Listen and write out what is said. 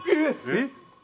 えっ？